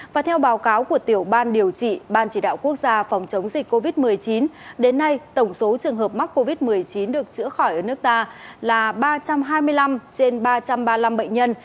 và theo báo cáo của tiểu ban điều trị ban chỉ đạo quốc gia phòng chống dịch covid một mươi chín đến nay tổng số trường hợp mắc covid một mươi chín được chữa khỏi ở nước ta là ba trăm hai mươi năm trên ba trăm ba mươi năm bệnh nhân